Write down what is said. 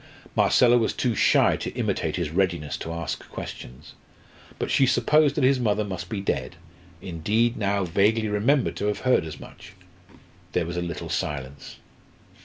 Marcella was too shy to imitate his readiness to ask questions. But she supposed that his mother must be dead indeed, now vaguely remembered to have heard as much. There was a little silence.